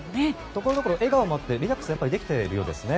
所々、笑顔もあってリラックスできているようですね。